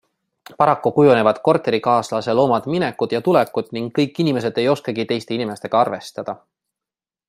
Paraku kujunevad korterikaaslasel omad minekud ja tulekud ning kõik inimesed ei oskagi teiste inimestega arvestada.